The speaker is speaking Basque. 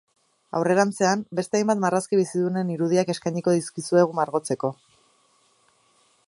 Aurrerantzean, beste hainbat marrazki bizidunen irudiak eskainiko dizkizuegu margotzeko.